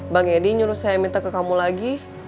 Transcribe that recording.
bang edi nyuruh saya minta ke kamu lagi